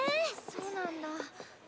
そうなんだ。